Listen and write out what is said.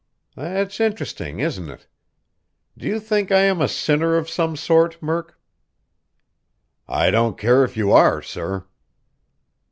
"That's interesting, isn't it? Do you think I am a sinner of some sort, Murk?" "I don't care if you are, sir!"